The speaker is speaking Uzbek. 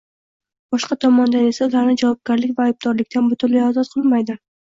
boshqa tomondan esa ularni javobgarlik va aybdorlikdan butunlay ozod qilmaydi